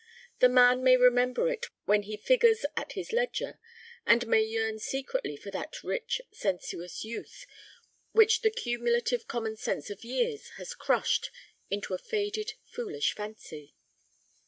The man may remember it when he figures at his ledger, and may yearn secretly for that rich, sensuous youth which the cumulative common sense of years has crushed into a faded, foolish fancy.